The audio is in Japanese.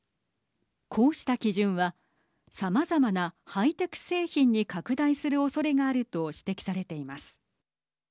こうした基準はさまざまなハイテク製品に拡大するおそれがあると指摘されています。